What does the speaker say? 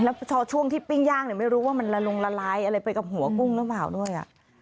แล้วพอช่วงที่ปิ้งย่างไม่รู้ว่ามันละลงละลายอะไรไปกับหัวกุ้งหรือเปล่าด้วย